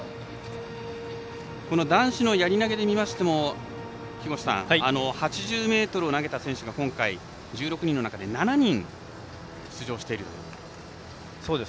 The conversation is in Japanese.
この男子のやり投げで見ましても木越さん、８０ｍを投げた選手が今回１６人の中で７人出場しています。